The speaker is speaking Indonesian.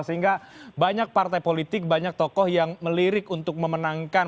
sehingga banyak partai politik banyak tokoh yang melirik untuk memenangkan